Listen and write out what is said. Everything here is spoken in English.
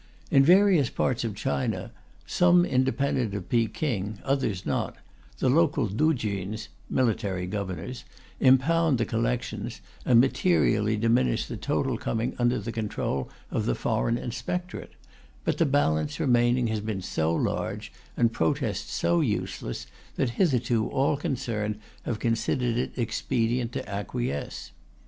In various parts of China, some independent of Peking, others not, the local Tuchuns (military governors) impound the collections and materially diminish the total coming under the control of the foreign inspectorate, but the balance remaining has been so large, and protest so useless, that hitherto all concerned have considered it expedient to acquiesce.